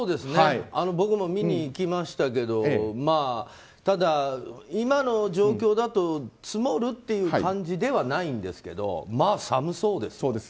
僕も見に行きましたけどただ、今の状況だと積もるっていう感じではないんですけどまあ寒そうです。